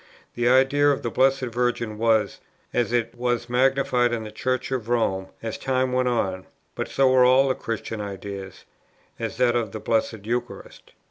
The idea of the Blessed Virgin was as it were magnified in the Church of Rome, as time went on, but so were all the Christian ideas; as that of the Blessed Eucharist.